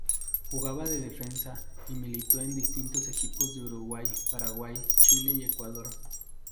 Jugaba de defensa y militó en distintos equipos de Uruguay, Paraguay, Chile y Ecuador.